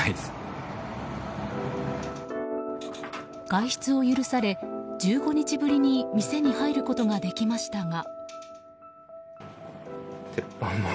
外出を許され、１５日ぶりに店に入ることができましたが。